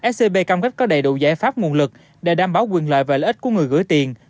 scb cam kết có đầy đủ giải pháp nguồn lực để đảm bảo quyền lợi và lợi ích của người gửi tiền